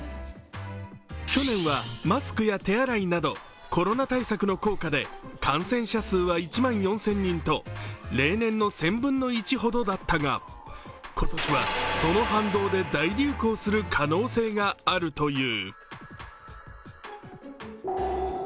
去年はマスクや手洗いなどコロナ対策の効果で感染者数は１万４０００人と例年の１０００分の１ほどだったが、今年はその反動で大流行する可能性があるという。